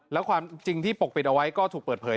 แล้วความจริงที่ปกปิดเอาไว้ก็ถูกเปิดเผย